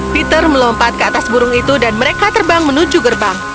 peter melompat ke atas burung itu dan mereka terbang menuju gerbang